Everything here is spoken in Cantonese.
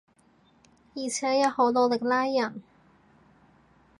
而且又好努力拉人